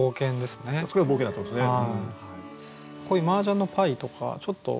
これは冒険になってますね。